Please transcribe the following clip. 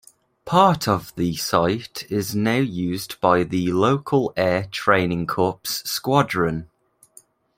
Part of the site is now used by the local Air Training Corps squadron.